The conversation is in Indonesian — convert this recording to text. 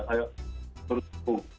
saya terus berhubung